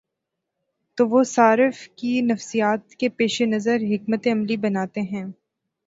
تو وہ صارف کی نفسیات کے پیش نظر حکمت عملی بناتے ہیں۔